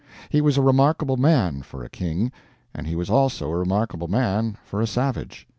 He was a remarkable man, for a king; and he was also a remarkable man for a savage.